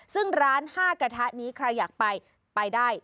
ซึ่งร้าน๕กระทะนี้ใครอยากไปไปได้